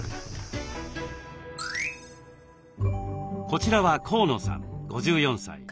こちらは河野さん５４歳。